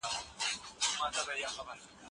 تعليم د ټولنې فکري وده زياتوي.